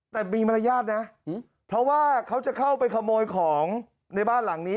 แต่มีมารยาทนะเพราะว่าเขาจะเข้าไปขโมยของในบ้านหลังนี้